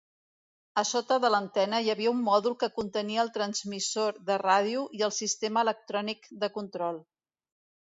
A sota de l'antena hi havia un mòdul que contenia el transmissor de ràdio i el sistema electrònic de control.